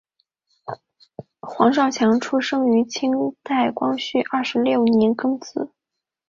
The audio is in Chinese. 黄少强出生于清代光绪二十六年庚子。